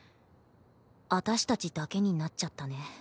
私たちだけになっちゃったね。